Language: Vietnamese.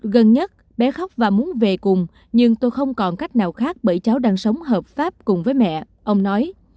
gần nhất bé khóc và muốn về cùng nhưng tôi không còn cách nào khác bởi cháu đang sống hợp pháp cùng với mẹ ông nói